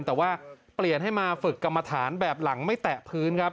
แต่ว่าเปลี่ยนให้มาฝึกกรรมฐานแบบหลังไม่แตะพื้นครับ